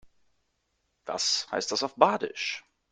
Was heißt das auf Badisch?